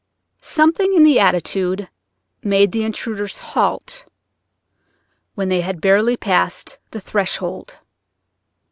Something in the attitude made the intruders halt when they had barely passed the threshold.